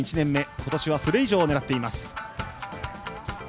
今年は、それ以上を狙っています。